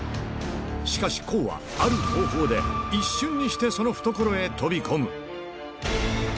しかし康は、ある方法で、一瞬にしてその懐へ飛び込む。